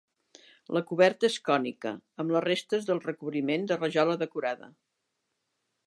La coberta és cònica, amb les restes del recobriment de rajola decorada.